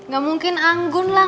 gak mungkin anggun lah